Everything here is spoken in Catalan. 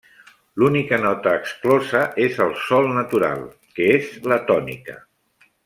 L'única nota exclosa és el sol natural, que és la tònica.